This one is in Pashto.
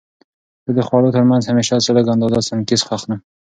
زه د خوړو ترمنځ همیشه څه لږه اندازه سنکس اخلم.